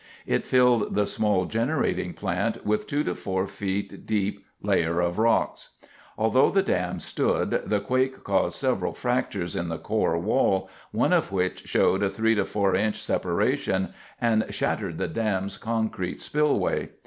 It filled the small generating plant with a 2 to 4 ft. deep layer of rocks. Although the dam stood, the quake caused several fractures in the core wall, one of which showed a 3 to 4 inch separation, and shattered the dam's concrete spillway.